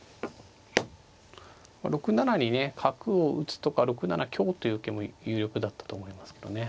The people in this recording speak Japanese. ６七にね角を打つとか６七香という受けも有力だったと思いますけどね。